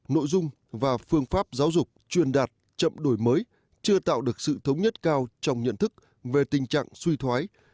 nội dung và phương pháp giáo dục truyền đạt chậm đổi mới chưa tạo được sự thống nhất cao trong nhận thức về tình trạng suy thoái